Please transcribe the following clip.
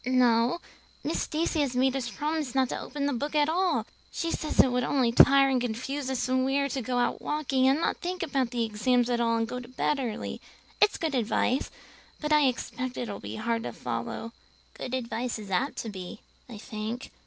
"No; Miss Stacy has made us promise not to open a book at all. She says it would only tire and confuse us and we are to go out walking and not think about the exams at all and go to bed early. It's good advice, but I expect it will be hard to follow; good advice is apt to be, I think.